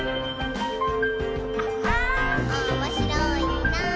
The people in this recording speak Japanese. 「おもしろいなぁ」